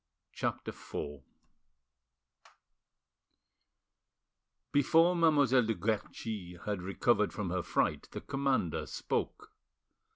CHAPTER IV Before Mademoiselle de Guerchi had recovered from her fright the commander spoke.